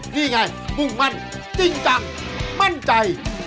นี่ไงมุ่งมั่นจริงจังมั่นใจ